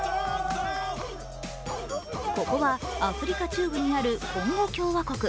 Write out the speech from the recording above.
ここはアフリカ中部にあるコンゴ共和国。